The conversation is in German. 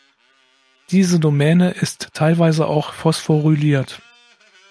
Diese Domäne ist teilweise auch phosphoryliert.